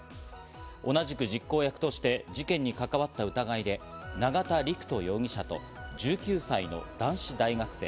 同じく実行役として事件に関わった疑いで、永田陸人容疑者と１９歳の男子大学生。